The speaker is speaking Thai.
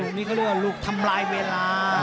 นี้เขาเรียกว่าลูกทำลายเวลา